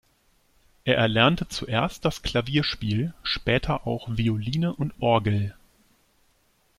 Er erlernte zuerst das Klavierspiel, später auch Violine und Orgel.